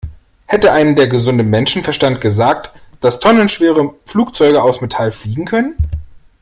Hätte einem der gesunde Menschenverstand gesagt, dass tonnenschwere Flugzeuge aus Metall fliegen können?